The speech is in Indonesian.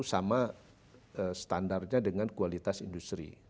sama standarnya dengan kualitas industri